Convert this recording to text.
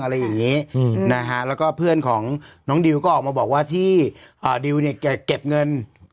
อะไรอย่างนี้นะฮะแล้วก็เพื่อนของน้องดิวก็ออกมาบอกว่าที่ดิวเนี่ยแกเก็บเงิน